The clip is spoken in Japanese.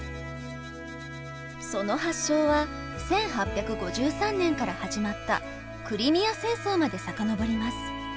その発祥は１８５３年から始まったクリミア戦争まで遡ります。